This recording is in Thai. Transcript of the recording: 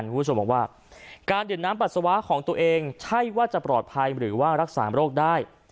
คุณผู้ชมบอกว่าการดื่มน้ำปัสสาวะของตัวเองใช่ว่าจะปลอดภัยหรือว่ารักษาโรคได้